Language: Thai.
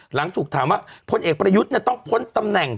หลังถูกถามว่าพลเอกประยุทธ์ต้องพ้นตำแหน่ง